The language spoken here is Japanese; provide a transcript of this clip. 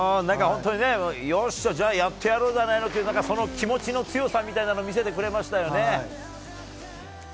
本当によっしゃ、じゃあやってやろうじゃないのみたいなその気持ちの強さみたいなものを見せてくれましたよね。